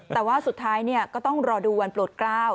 แต่ว่าสุดท้ายก็ต้องรอดูวันโปรดกล้าว